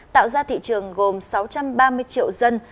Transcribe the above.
tạo ra thị trường gồm sáu trăm ba mươi triệu dân